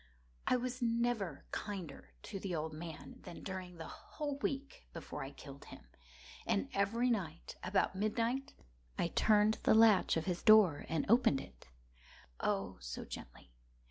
I was never kinder to the old man than during the whole week before I killed him. And every night, about midnight, I turned the latch of his door and opened it—oh, so gently!